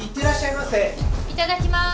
いただきます。